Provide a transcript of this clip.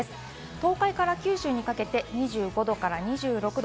東海から九州にかけては２５度から２６度。